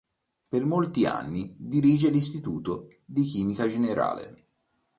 Per molti anni dirige l'Istituto di chimica generale.